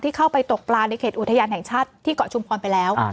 เข้าไปตกปลาในเขตอุทยานแห่งชาติที่เกาะชุมพรไปแล้ว